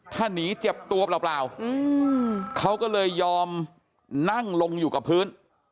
ถ้าหนีเจ็บตัวเปล่าเขาก็เลยยอมนั่งลงอยู่กับพื้น